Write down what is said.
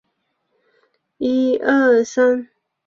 列宁把这个时代称为帝国主义时代。